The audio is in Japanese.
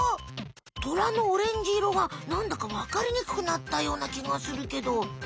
トラのオレンジ色がなんだかわかりにくくなったようなきがするけど。